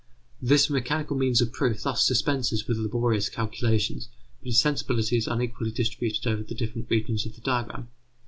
This mechanical means of proof thus dispenses with laborious calculations, but its sensibility is unequally distributed over the different regions of the diagram.